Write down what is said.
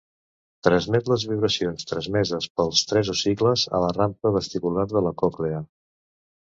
Transmet les vibracions transmeses pels tres ossicles a la rampa vestibular de la còclea.